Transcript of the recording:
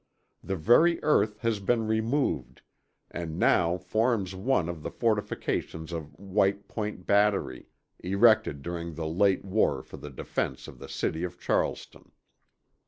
The very earth has been removed, and now forms one of the fortifications of White Point Battery, erected during the late war for the defense of the city of Charleston.